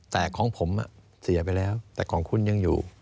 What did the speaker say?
แต่ของผมเสียไปแล้วแต่ของคุณยังอยู่